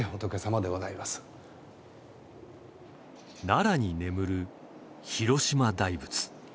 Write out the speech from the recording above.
奈良に眠る広島大仏。